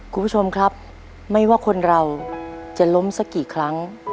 คุณผู้ชมครับไม่ว่าคนเราจะล้มสักกี่ครั้ง